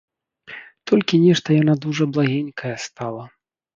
Толькі нешта яна дужа благенькая стала.